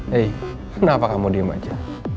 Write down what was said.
hei kenapa kamu diem aja